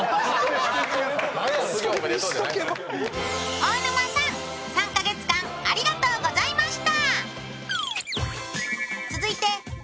大沼さん、３か月間ありがとうございました。